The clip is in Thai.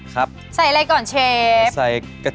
ถ้าตรงเชฟจะชอบ